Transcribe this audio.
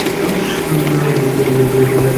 এগুলো Geneva, Vienna ও নাইরোবিতে অবস্থিত।